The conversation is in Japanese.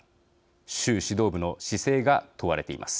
習指導部の姿勢が問われています。